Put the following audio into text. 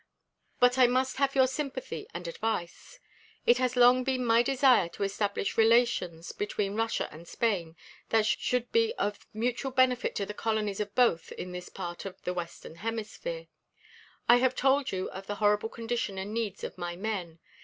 But I must have your sympathy and advice. It has long been my desire to establish relations between Russia and Spain that should be of mutual benefit to the colonies of both in this part of the western hemisphere. I have told you of the horrible condition and needs of my men.